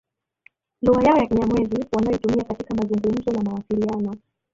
Lugha yao ni Kinyamwezi wanayoitumia katika mazungumzo na mawasiliano